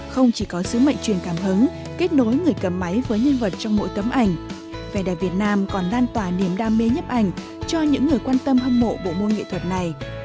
không chỉ có sứ mệnh truyền cảm hứng kết nối người cầm máy với nhân vật trong mỗi tấm ảnh vẻ đẹp việt nam còn lan tỏa niềm đam mê nhấp ảnh cho những người quan tâm hâm mộ bộ môn nghệ thuật này